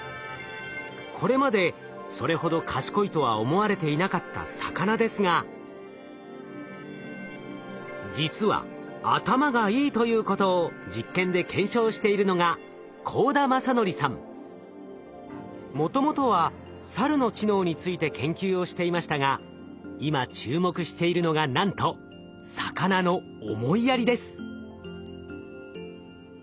これまでそれほど賢いとは思われていなかった魚ですが実は頭がいいということを実験で検証しているのがもともとはサルの知能について研究をしていましたが今注目しているのがなんと魚の思いやりです。